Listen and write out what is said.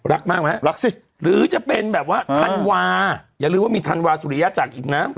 รักมากไหมรักสิหรือจะเป็นแบบว่าธันวาอย่าลืมว่ามีธันวาสุริยจักรอีกนะ